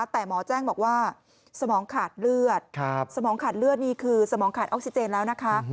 แต่หมอแจ้งบอกว่าสมองขาดเลือดสมองขาดเลือดนี่คือสมองขาดออกซิเจนแล้วนะคะ